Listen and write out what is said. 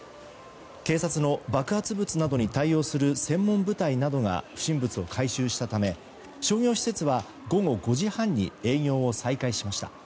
警察の、爆発物などに対応する専門部隊などが不審物を回収したため商業施設は午後５時半に営業を再開しました。